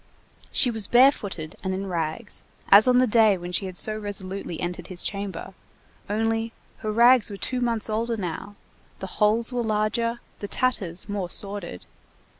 She was barefooted and in rags, as on the day when she had so resolutely entered his chamber, only her rags were two months older now, the holes were larger, the tatters more sordid.